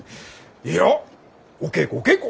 いやお稽古お稽古！